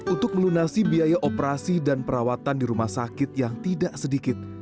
untuk melunasi biaya operasi dan perawatan di rumah sakit yang tidak sedikit